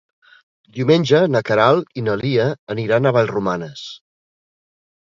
Diumenge na Queralt i na Lia aniran a Vallromanes.